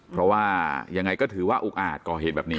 เพราะว่ายังไงก็ถือว่าอุกอาจก่อเหตุแบบนี้